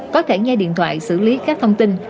có thể nghe điện thoại xử lý các thông tin